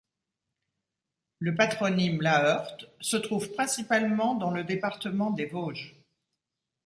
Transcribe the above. Le patronyme Laheurte se trouve principalement dans le département des Vosges.